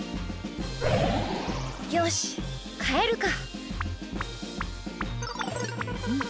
よしかえるか。